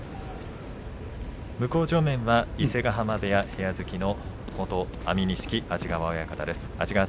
向正面は伊勢ヶ濱部屋部屋付きの元安美錦安治川親方です。